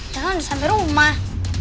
jangan sampai rumah